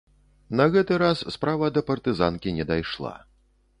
На гэты раз справа да партызанкі не дайшла.